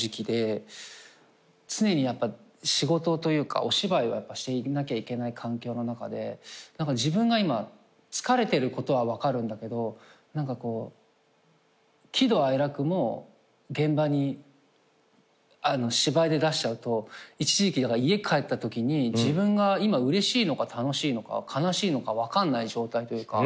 常に仕事というかお芝居をしていなきゃいけない環境の中で自分が今疲れてることは分かるんだけど喜怒哀楽も現場に芝居で出しちゃうと一時期家帰ったときに自分が今うれしいのか楽しいのか悲しいのか分かんない状態というか。